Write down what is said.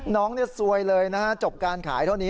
น้องซวยเลยนะฮะจบการขายเท่านี้